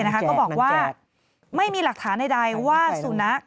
ก็บอกว่าไม่มีหลักฐานใดว่าสุนัข